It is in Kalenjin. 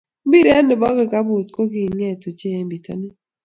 Mpiret ne bo kikapuit ko kenget ochei eng bitonin.